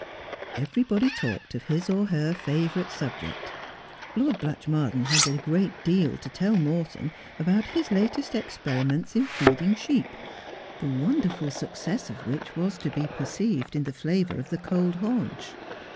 Everybody talked of his or her favourite subject. Lord Blatchmardean had a great deal to tell Morton about his latest experiments in feeding sheep — the wonderful success of which was to be perceived in the flavour of the cold haunch.